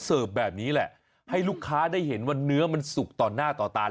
เสิร์ฟแบบนี้แหละให้ลูกค้าได้เห็นว่าเนื้อมันสุกต่อหน้าต่อตา